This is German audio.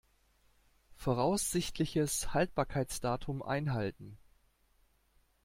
Voraussichtliches Haltbarkeitsdatum einhalten.